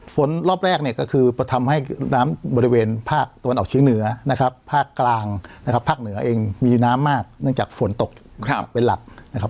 ฝนรอบแรกเนี่ยก็คือทำให้น้ำบริเวณภาคตะวันออกเชียงเหนือนะครับภาคกลางนะครับภาคเหนือเองมีน้ำมากเนื่องจากฝนตกเป็นหลักนะครับ